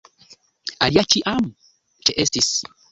Alia ĉiam ĉeestis.